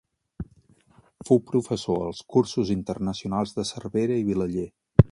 Fou professor als Cursos Internacionals de Cervera i Vilaller.